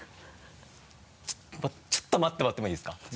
ちょっと待ってもらってもいいですか？